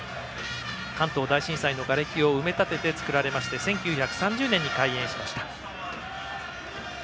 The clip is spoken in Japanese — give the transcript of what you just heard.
関東大震災のがれきを埋め立てて造られまして１９３０年に開園しました。